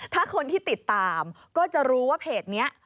ถ้าคนที่ติดตามก็จะรู้ว่าเพจนี้